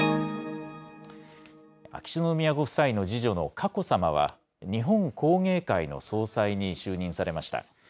秋篠宮ご夫妻の次女の佳子さまは、日本工芸会の総裁に就任されました。